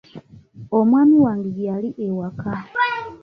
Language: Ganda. Omwami wange gy'ali ewaka.